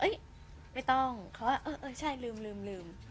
เอ้ยไม่ต้องเขาแบบโดยลืม